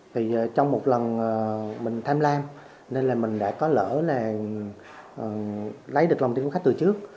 thì trong một lần mình tham lam nên là mình đã có lỡ là lấy được lòng tin của khách từ trước